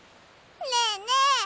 ねえねえ